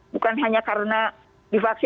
bukan hanya karena divaksin